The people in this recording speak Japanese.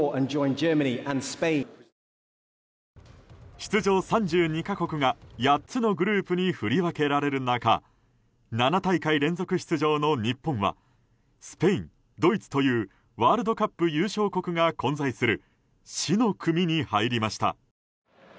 出場３２か国が８つのグループに振り分けられる中７大会連続出場の日本はスペイン、ドイツというワールドカップ優勝国が混在する死の組に入ました。